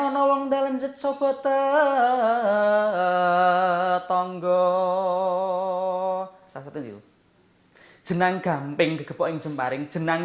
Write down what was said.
nong dalenjet sobatetonggo sasetin itu jenang gamping kepoing jempar yang jenang